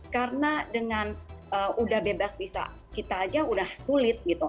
karena dengan sudah bebas visa kita saja sudah sulit